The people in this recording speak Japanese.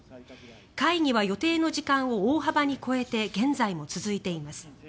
会議は予定の時間を大幅に超えて現在も続いています。